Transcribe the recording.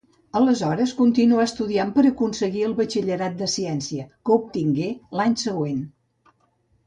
Aleshores continuà estudiant per a aconseguir el batxillerat de ciència, que obtingué l'any següent.